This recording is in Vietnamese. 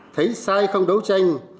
thấy sai không đấu tranh